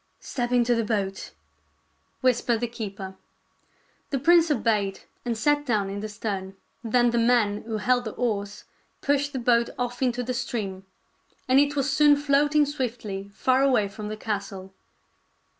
" Step into the boat," whispered the keeper. The prince obeyed, and sat down in the stern. Then the man who held the oars pushed the boat off into the stream, and it was soon floating swiftly far away from the castle.